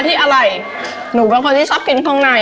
อะไรหนูเป็นคนที่ชอบกินข้างใน